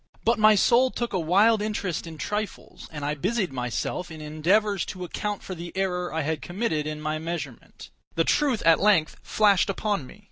But my soul took a wild interest in trifles, and I busied myself in endeavors to account for the error I had committed in my measurement. The truth at length flashed upon me.